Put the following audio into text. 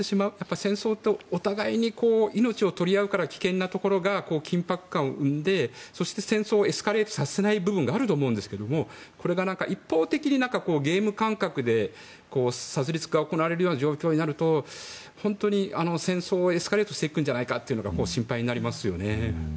戦争ってお互いに命を取り合うから危険なところが緊迫感を生んでそして戦争をエスカレートさせない部分があると思うんですがこれが一方的にゲーム感覚で殺戮に使われる状況になると本当に戦争がエスカレートしていくんじゃないかと心配になりますよね。